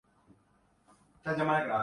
اور اسے ایک سٹیگما سمجھا جاتا ہے۔